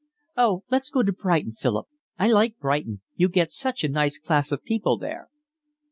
"Oh, let's go to Brighton, Philip, I like Brighton, you get such a nice class of people there."